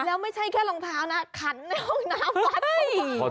แล้วไม่ใช่แค่รองเท้านะขันในห้องน้ำวัดสิ